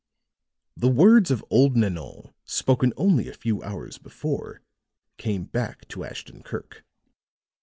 The words of old Nanon, spoken only a few hours before, came back to Ashton Kirk.